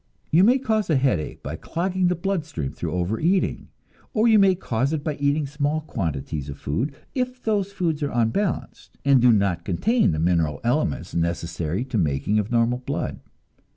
You may cause a headache by clogging the blood stream through overeating, or you may cause it by eating small quantities of food, if those foods are unbalanced, and do not contain the mineral elements necessary to the making of normal blood.